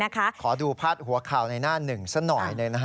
ขอดูพาดหัวข่าวในหน้าหนึ่งซะหน่อย